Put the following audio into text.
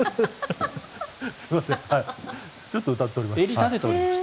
すいませんちょっと歌っております。